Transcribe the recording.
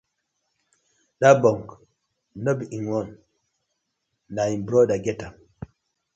Dat bunk no be im own, na im brother get am.